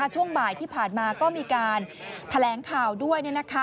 ช่วงบ่ายที่ผ่านมาก็มีการแถลงข่าวด้วย